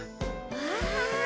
わあ。